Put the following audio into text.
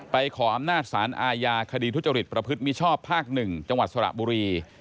ขออำนาจสารอาญาคดีทุจริตประพฤติมิชอบภาค๑จังหวัดสระบุรี